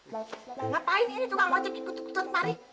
nah ngapain ini tukang ojek ikut ikut tunggu tunggu mari